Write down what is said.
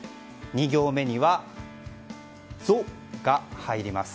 ２行目には「ゾ」が入ります。